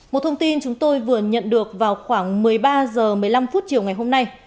một thông tin chúng tôi vừa nhận được vào khoảng một mươi ba h một mươi năm chiều ngày hôm nay